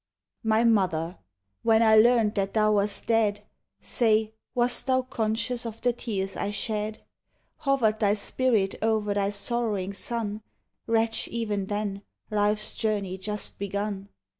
My mother: when I learned that thou wast dea I. Say, wast tliou eonseious of the tears I shed? Hovered I In spirit o'er thy sorrowing son, Wretch even then, life's journey just begun?